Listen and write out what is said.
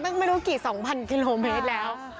มันตั้งไม่รู้กี่๒๐๐๐กิโลเมตรแล้ว